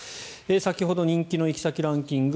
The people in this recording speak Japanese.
先ほど、人気の行き先ランキング